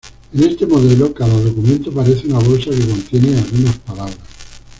En este modelo, cada documento parece una bolsa que contiene algunas palabras.